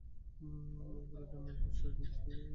উপরের ডানার post discal অংশের রঙ হালকা বাদামী।